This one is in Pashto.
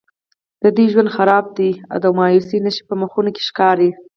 د دوی ژوند خراب دی او د مایوسیو نښې په مخونو کې ښکاري.